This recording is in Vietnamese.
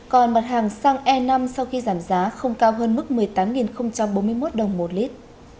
còn mặt hàng xăng e năm sau khi giảm giá không cao hơn mức một mươi tám bốn mươi một đồng một lít